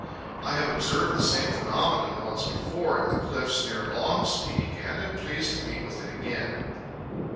I have observed the same phenomenon once before in the cliffs near Long's Peak, and am pleased to meet with it again.